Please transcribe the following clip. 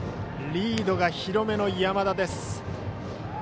リードが広めの山田です。